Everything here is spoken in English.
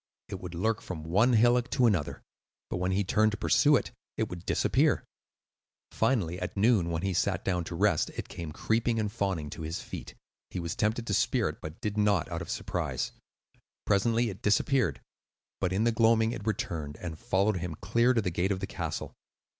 It would lurk from one hillock to another, but when he turned to pursue it, it would disappear. Finally, at noon, when he sat down to rest, it came creeping and fawning to his feet. He was tempted to spear it, but did not, out of surprise. Presently it disappeared; but in the gloaming it returned, and followed him clear to the gate of the castle.